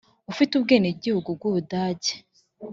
ufite ubwenegihugu bw'u budage.